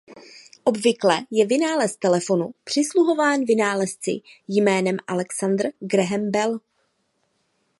Obvykle je vynález telefonu přisuzován vynálezci jménem Alexander Graham Bell.